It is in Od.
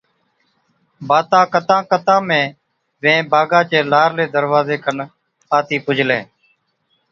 باتا ڪتان ڪتان ۾ وين باغا چي لارلي دَروازي کن آتِي پُجلين۔